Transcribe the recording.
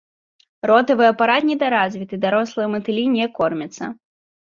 Ротавы апарат недаразвіты, дарослыя матылі не кормяцца.